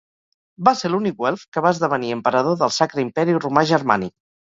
Va ser l'únic Welf que va esdevenir emperador del Sacre Imperi Romà Germànic.